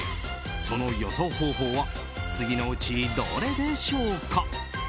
その予想方法は次のうち、どれでしょうか？